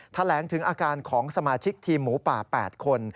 แถลงถึงอาการของสมาชิกทีมหมูป่า๘คน